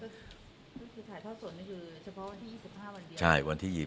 จะถ่ายท่อสดนั่นเฉพาะวันที่๒๕วันเดียว